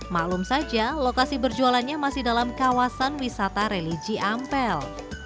maklum saja lokasi berjualannya masih dalam kawasan wisata religi ampel